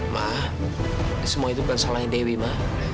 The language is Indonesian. ma semua itu bukan salah dewi ma